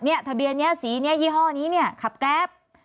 นี่ทะเบียนนี้สีนี้ยี่ห้อนี้ขับแก๊บ